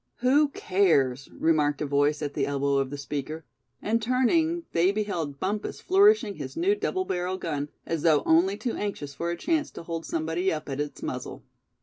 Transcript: "Who cares?" remarked a voice at the elbow of the speaker; and turning, they beheld Bumpus flourishing his new double barrel gun, as though only too anxious for a chance to hold somebody up at its muzzle.